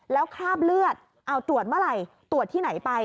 แล้วคราบเลือดเอาตรวจเมื่อไหร่ตรวจที่ไหนไป